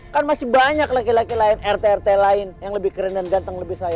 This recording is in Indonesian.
kan masih banyak laki laki lain rt rt lain yang lebih keren dan ganteng lebih saya